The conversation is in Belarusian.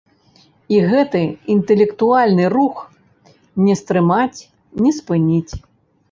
І гэты інтэлектуальны рух не стрымаць, не спыніць.